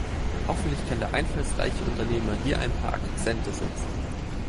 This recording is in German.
Hoffentlich kann der einfallsreiche Unternehmer hier ein paar Akzente setzen.